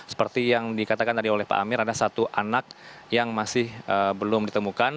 seperti yang dikatakan tadi oleh pak amir ada satu anak yang masih belum ditemukan